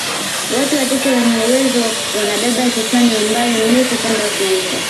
Watu wachache wenye uwezo wanabeba kichwani umbali mrefu kwenda kuuza